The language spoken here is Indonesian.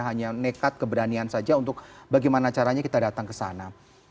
hanya nekat keberanian saja untuk bagaimana caranya kita datang ke sana